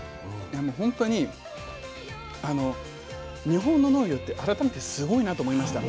ほんとに日本の農業って改めてすごいなと思いました。